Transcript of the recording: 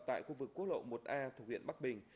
tại khu vực quốc lộ một a thuộc huyện bắc bình